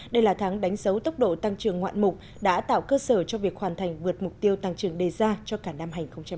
đây là tháng đánh dấu tốc độ tăng trưởng ngoạn mục đã tạo cơ sở cho việc hoàn thành vượt mục tiêu tăng trưởng đề ra cho cả năm hai nghìn hai mươi